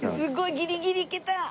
ギリギリいけた。